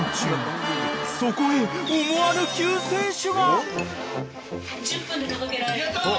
［そこへ思わぬ救世主が］